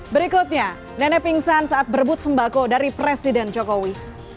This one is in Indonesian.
berikutnya nenek pingsan saat berebut sembako dari presiden jokowi